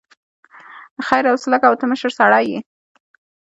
خير حوصله کوه، ته مشر سړی يې.